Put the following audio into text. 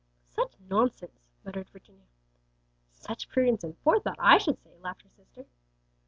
"Such nonsense!" muttered Virginia. "Such prudence and forethought, I should say," laughed her sister.